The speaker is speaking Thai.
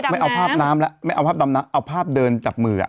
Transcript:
ไม่เอาภาพน้ำแล้วไม่เอาภาพดำน้ำเอาภาพเดินจับมือ